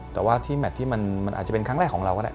แต่ว่าที่แมทที่มันอาจจะเป็นครั้งแรกของเราก็ได้